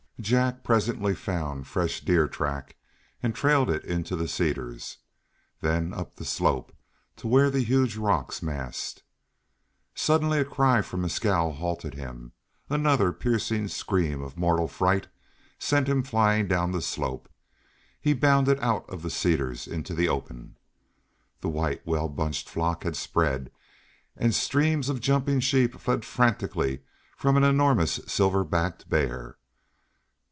Jack presently found a fresh deer track, and trailed it into the cedars, then up the slope to where the huge rocks massed. Suddenly a cry from Mescal halted him; another, a piercing scream of mortal fright, sent him flying down the slope. He bounded out of the cedars into the open. The white, well bunched flock had spread, and streams of jumping sheep fled frantically from an enormous silver backed bear.